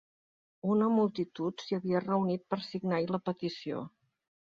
Una multitud s'hi havia reunit per signar-hi la petició.